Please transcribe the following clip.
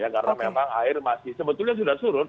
karena memang air masih sebetulnya sudah surut